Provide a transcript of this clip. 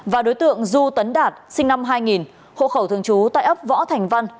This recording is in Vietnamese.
và đối tượng du tấn đạt sinh năm hai nghìn hộ khẩu thường trú tại ấp võ thành văn